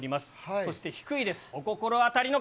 そして、低いです。